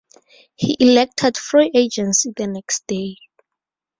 He elected free agency the next day.